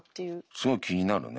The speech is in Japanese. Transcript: すごい気になるね。